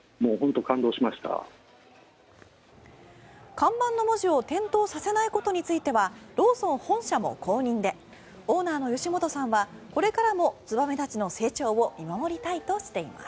看板の文字を点灯させないことについてはローソン本社も公認でオーナーの吉本さんはこれからもツバメたちの成長を見守りたいとしています。